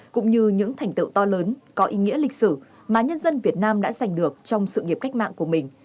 cũng như những thành tựu to lớn có ý nghĩa lịch sử mà nhân dân việt nam đã giành được trong sự nghiệp cách mạng của mình